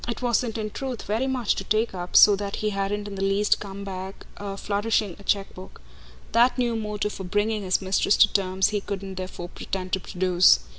It wasn't in truth very much to take up, so that he hadn't in the least come back flourishing a chequebook; that new motive for bringing his mistress to terms he couldn't therefore pretend to produce.